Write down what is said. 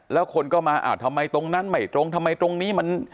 แล้วคนก็มาอ้าวทำไมตรงนั้นไม่ตรงทำไมตรงนี้มัน